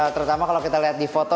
terutama kalau kita lihat di foto